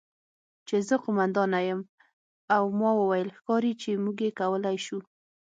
چې زه قوماندانه یم او ما وویل: 'ښکاري چې موږ یې کولی شو'.